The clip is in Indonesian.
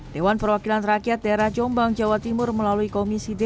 dewan perwakilan rakyat daerah jombang jawa timur melalui komisi d